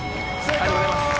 ありがとうございます。